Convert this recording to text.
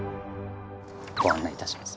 ご案内いたします。